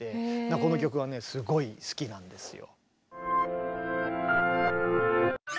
この曲はねすごい好きなんですよ。